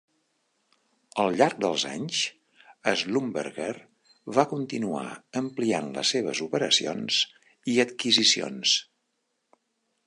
Al llarg dels anys, Schlumberger va continuar ampliant les seves operacions i adquisicions.